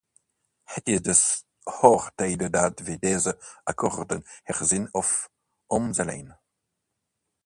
Het is dus hoog tijd dat we deze akkoorden herzien of omzeilen.